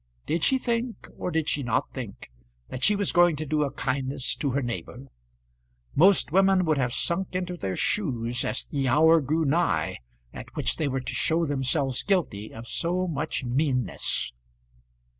Did she think, or did she not think, that she was going to do a kindness to her neighbour? Most women would have sunk into their shoes as the hour grew nigh at which they were to show themselves guilty of so much meanness.